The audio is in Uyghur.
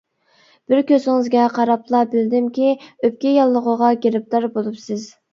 بىر كۆزىڭىزگە قاراپلا بىلدىمكى، ئۆپكە ياللۇغىغا گىرىپتار بولۇپسىز.